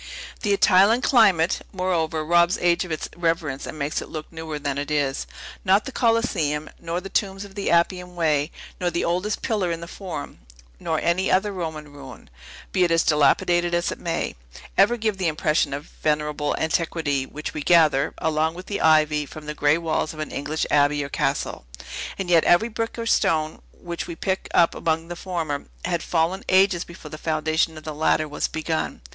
The Italian climate, moreover, robs age of its reverence and makes it look newer than it is. Not the Coliseum, nor the tombs of the Appian Way, nor the oldest pillar in the Forum, nor any other Roman ruin, be it as dilapidated as it may, ever give the impression of venerable antiquity which we gather, along with the ivy, from the gray walls of an English abbey or castle. And yet every brick or stone, which we pick up among the former, had fallen ages before the foundation of the latter was begun.